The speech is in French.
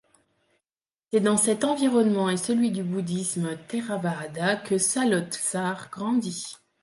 C'est dans cet environnement et celui du bouddhisme theravāda que Saloth Sâr grandit.